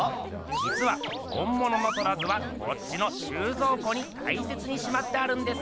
じつは本ものの「虎図」はこっちの収蔵庫にたいせつにしまってあるんです。